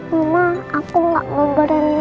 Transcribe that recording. mama aku gak mau berenang